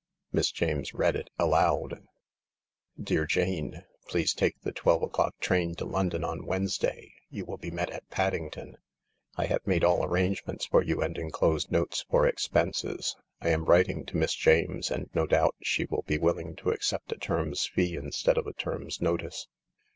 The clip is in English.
Miss James read it, aloud. " Dear Jane, "Please take the 12 o'clock train to London on Wednesday. You will be met at Paddington. I have made all arrangements for you and enclose notes for expenses. " I am writing to Miss James, and no doubt she" will be willing to accept a term's fees instead of a term's notice.